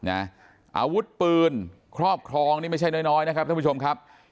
อาวุธปืนครอบครองนี่ไม่ใช่น้อยนะครับท่านผู้ชมครับ